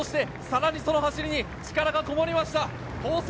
さらにその走りに力がこもりました。